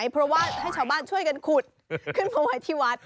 เพราะว่าให้ชาวบ้านช่วยกันขุดขึ้นมาไว้ที่วัด